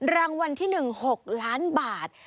รางวัลที่๑๖ล้านบาท